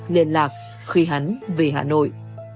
liên lạc khi hắn về hà nội